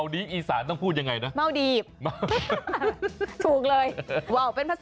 ดีเหมือนกันนะได้บรรยากาศ